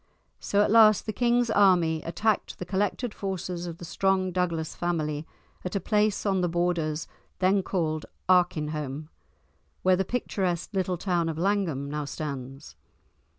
So at last the king's army attacked the collected forces of the strong Douglas family at a place on the Borders then called Arkinholm, where the picturesque little town of Langholm now stands.